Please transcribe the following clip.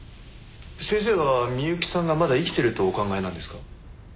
先生は美雪さんがまだ生きてるとお考えなんですか？